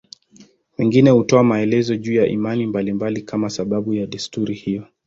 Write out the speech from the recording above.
Wengine hutoa maelezo juu ya imani mbalimbali kama sababu ya desturi hiyo.